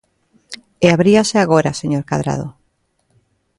E abríase agora, señor Cadrado.